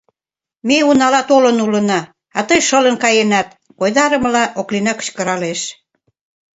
Ме унала толын улына, а тый шылын каенат, — койдарымыла Оклина кычкыралеш.